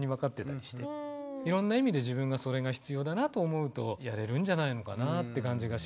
そろそろここはもういろんな意味で自分がそれが必要だなと思うとやれるんじゃないのかなって感じがしますよね。